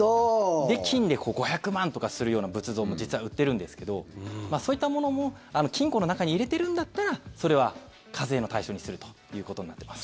で、金で５００万とかするような仏像も実は売ってるんですけどそういったものも金庫の中に入れてるんだったらそれは課税の対象にするということになってます。